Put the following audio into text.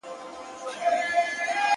له کهاله مي دي راوړي سلامونه؛